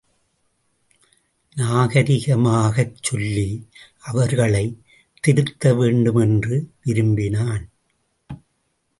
நாகரிகமாகச் சொல்லி அவர்களைத் திருத்தவேண்டும் என்று விரும்பினான்.